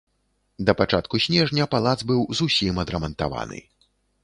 Да пачатку снежня палац быў зусім адрамантаваны.